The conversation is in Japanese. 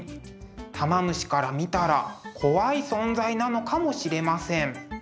玉虫から見たら怖い存在なのかもしれません。